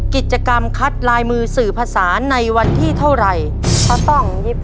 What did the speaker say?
กิจกรรมคัดลายมือสื่อภาษาในวันที่เท่าไหร่